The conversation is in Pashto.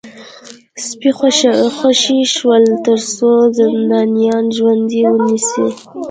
سپي خوشي شول ترڅو زندانیان ژوندي ونیسي